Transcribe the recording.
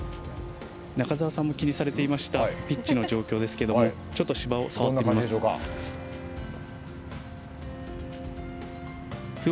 中澤さんも気にされていましたピッチの状況ですけどもちょっと芝を触ってみます。